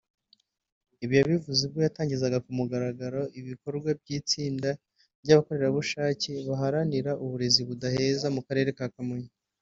Ibi yabivuze ubwo yatangizaga ku mugaragaro ibikorwa by’itsinda ry’abakorerabushake baharanira uburezi budaheza mu Karere ka Kamonyi